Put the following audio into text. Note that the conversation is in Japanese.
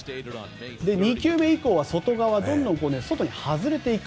２球目以降は外側、どんどん外に外れていく。